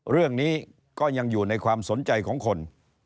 เรื่องนี้ก็ยังอยู่ในความสนใจของคน